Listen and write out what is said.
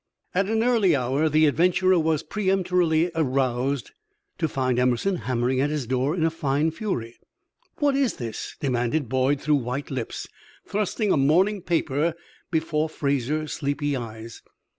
At an early hour the adventurer was peremptorily roused, to find Emerson hammering at his door in a fine fury. "What is this?" demanded Boyd, through white lips, thrusting a morning paper before Fraser's sleepy eyes.